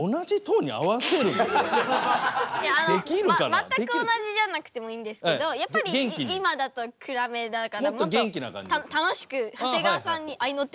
全く同じじゃなくてもいいんですけどやっぱり今だと暗めだからもっと楽しく長谷川さんにあいの手を入れるような感じでも。